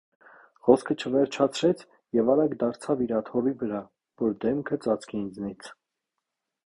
Խոսքը չվերջացրեց և արագ դարձավ իր աթոռի վրա, որ դեմքը ծածկի ինձնից: